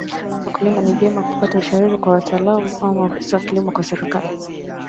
wakulima ni vyema kupata ushauri wa wataalam au maafisa wa kilimo wa serikali